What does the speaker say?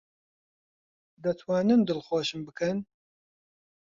دەتوانن دڵخۆشم بکەن؟